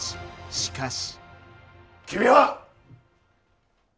しかし。